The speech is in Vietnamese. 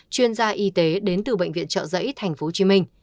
chuyên gia y tế đến từ bệnh viện trợ dẫy tp hcm